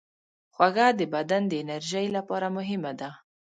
خوږه د بدن د انرژۍ لپاره مهمه ده.